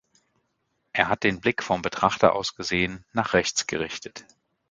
Er hat den Blick vom Betrachter aus gesehen nach rechts gerichtet.